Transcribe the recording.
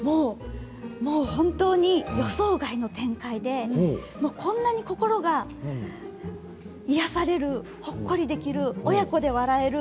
本当に予想外の展開でこんなに心が癒やされるほっこりできる、親子で笑える